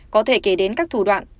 có thể kể đến các thủ đoạn